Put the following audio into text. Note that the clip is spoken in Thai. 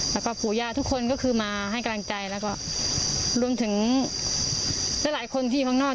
แล้วก็ปู่ย่าทุกคนก็คือมาให้กำลังใจแล้วก็รวมถึงหลายหลายคนที่ข้างนอก